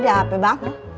ini ada apa bang